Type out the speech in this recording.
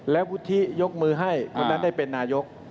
แล้ววุฒิยกมือให้คนนั้นได้เป็นนายก